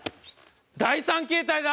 第３形態だ！